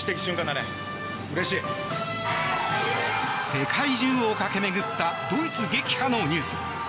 世界中を駆け巡ったドイツ撃破のニュース。